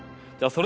それ